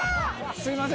すいません